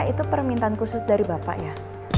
itu permintaan khusus dari bapak ya